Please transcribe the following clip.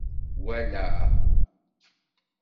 Wala!